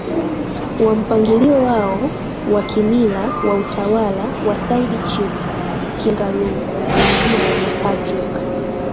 wa mpangilio wao wa kimila wa utawala wa Sayyid Chifu KingaluMwingine ni Patric